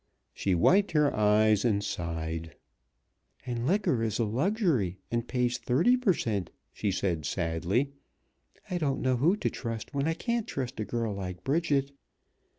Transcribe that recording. She wiped her eyes and sighed. "And liquor is a luxury, and pays thirty per cent.," she said sadly. "I don't know who to trust when I can't trust a girl like Bridget.